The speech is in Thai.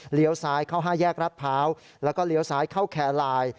ซ้ายเข้า๕แยกรัฐพร้าวแล้วก็เลี้ยวซ้ายเข้าแคร์ไลน์